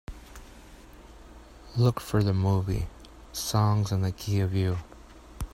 Look for the movie Songs in the Key of You